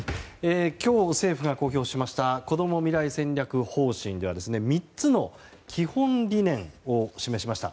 今日、政府が公表しましたこども未来戦略方針では３つの基本理念を示しました。